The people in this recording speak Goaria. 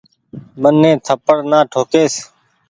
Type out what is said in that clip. مني ٿپڙ نآ ٺوڪيس ۔